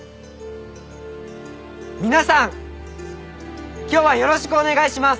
皆さん今日はよろしくお願いします！